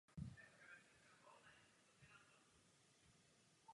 Režie se chopil Mel Brooks.